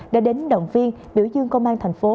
đã đến động viên biểu dương công an thành phố